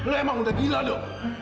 lu emang udah gila do